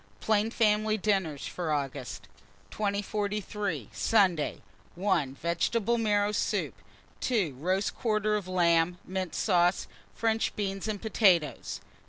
PLAIN FAMILY DINNERS FOR AUGUST. 2043. Sunday. 1. Vegetable marrow soup. 2. Roast quarter of lamb, mint sauce, French beans and potatoes.